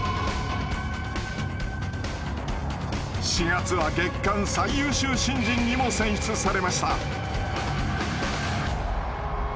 ４月は月間最優秀新人にも選出されました。